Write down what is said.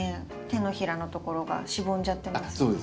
手のひらのところがしぼんじゃってますね。